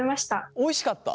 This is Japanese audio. おいしかった？